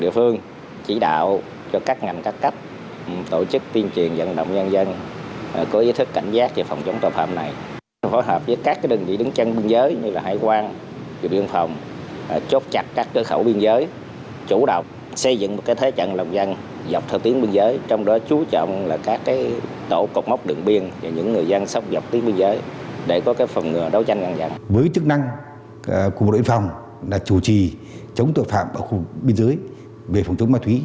với chức năng của đội biên phòng là chủ trì chống tội phạm ở khu biên giới về phòng chống ma túy